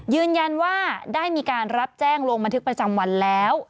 ยืนยันว่าได้มีการรับแจ้งลงบันทึกประจำวันแล้ว